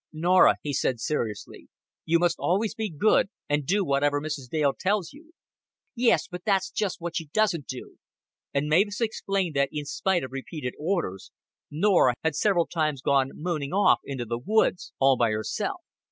"Norah," he said seriously, "you must always be good, and do whatever Mrs. Dale tells you." "Yes, but that's just what she doesn't do;" and Mavis explained that, in spite of repeated orders, Norah had several times gone mooning off into the woods all by herself.